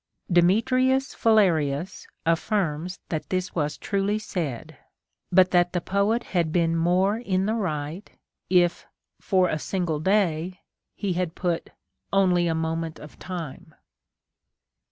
Demetrius Phalereus affirms that this was truly said, but that the poet had been more in the right if for a single day he had put only a moment of time.